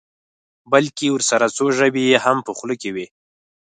بلکې ورسره څو ژبې یې هم په خوله کې وي.